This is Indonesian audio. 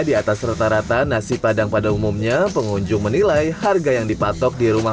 di atas rata rata nasi padang pada umumnya pengunjung menilai harga yang dipatok di rumah